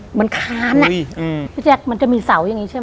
เหมือนค้ำอะพี่แจ๊คมันมีเสาอย่างนี้ใช่มะโอ้ว